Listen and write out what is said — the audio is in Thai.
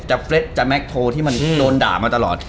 จะเฟรชจะแมคโทที่มันโดนด่ามาตลอด